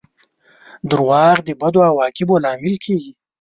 • دروغ د بدو عواقبو لامل کیږي.